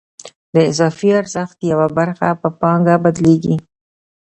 د اضافي ارزښت یوه برخه په پانګه بدلېږي